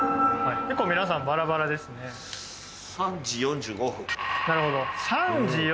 結構皆さんバラバラですね３時４５分なるほど３時４５